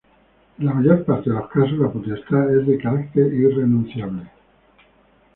En la mayor parte de los casos, la potestad es de carácter irrenunciable.